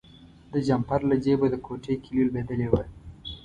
د جمپر له جیبه د کوټې کیلي لویدلې وه.